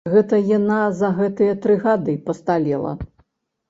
Гэта яна за гэтыя тры гады пасталела.